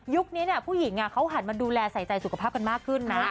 ผู้หญิงเขาหันมาดูแลใส่ใจสุขภาพกันมากขึ้นนะ